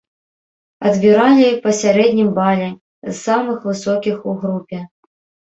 Адбіралі па сярэднім бале, з самых высокіх у групе.